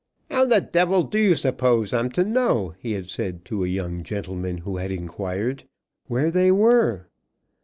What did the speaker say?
"How the devil do you suppose I'm to know," he had said to a young gentleman who had inquired, "where they were?"